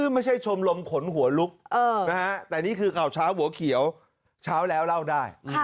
ไม่ใช่ชมรมขนหัวลุกแต่นี่คือข่าวเช้าหัวเขียวเช้าแล้วเล่าได้